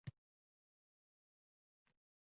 So’yar edi taqvodan mast